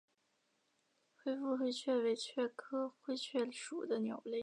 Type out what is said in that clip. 灰腹灰雀为雀科灰雀属的鸟类。